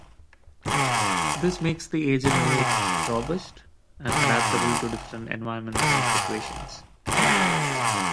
This makes the agent more robust and adaptable to different environments and situations.